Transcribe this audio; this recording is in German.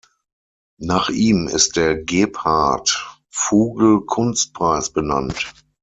Nach ihm ist der Gebhard-Fugel-Kunstpreis benannt.